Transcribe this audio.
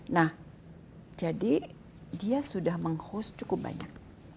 nah jadi dia sudah menghost cukup banyak